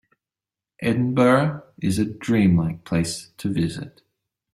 Edinburgh is a dream-like place to visit.